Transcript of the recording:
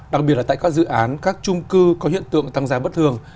đặc biệt là tại các dự án các trung cư có hiện tượng tăng giá bất thường